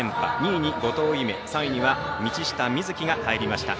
２位に後藤夢３位には道下美槻が入りました。